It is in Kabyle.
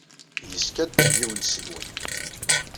Yeskaddeb yiwen seg-wen.